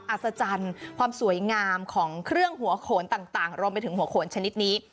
อัศจรรย์ความสวยงามของเครื่องหัวโขนต่างรวมไปถึงหัวโขนชนิดนี้